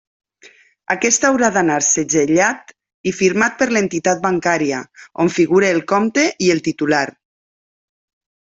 Aquest haurà d'anar segellat i firmat per l'entitat bancària, on figure el compte i el titular.